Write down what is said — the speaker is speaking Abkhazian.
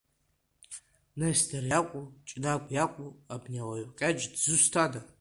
Несҭор иакәу Ҷнагә иакәу, абни ауаҩ кьаҿ дзусҭада?